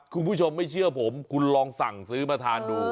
คุณผู้ชมไม่เชื่อผมคุณลองสั่งซื้อมาทานดู